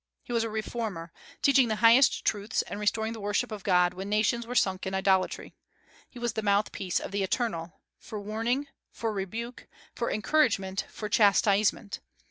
He was a reformer, teaching the highest truths and restoring the worship of God when nations were sunk in idolatry; he was the mouth piece of the Eternal, for warning, for rebuke, for encouragement, for chastisement.